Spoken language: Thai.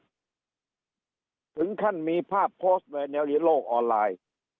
ถึงขั้นมีภาพโพสต์ไว้ในโลกออนไลน์